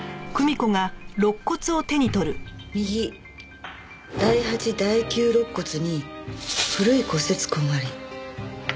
右第８第９肋骨に古い骨折痕あり。